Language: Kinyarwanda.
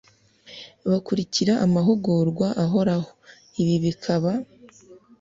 Bakurikira amahugurwa ahoraho; ibi bikaba